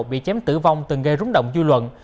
bị chém tử vong từng gây rúng động dư luận